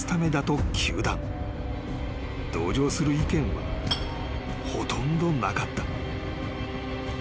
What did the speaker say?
［同情する意見はほとんどなかった］